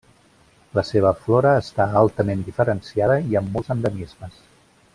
La seva flora està altament diferenciada i amb molts endemismes.